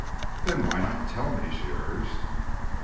"Then why not tell me?" she urged.